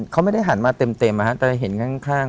เขาไม่ได้หันมาเต็มแต่เห็นข้าง